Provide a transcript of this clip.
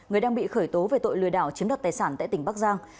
người đang bị khởi tố về tội lừa đảo chiếm đoạt tài sản tại tỉnh bắc giang